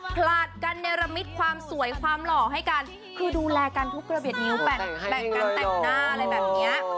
ผลัดกันเนรมิตความสวยความหล่อให้กันคือดูแลกันทุกระเบียดนิ้วแบ่งกันแต่งหน้าอะไรแบบนี้